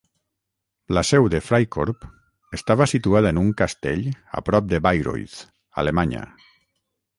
La seu de Freikorp estava situada en un castell a prop de Bayreuth, Alemanya.